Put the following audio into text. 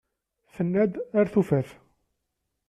Tenna-d ar tufat.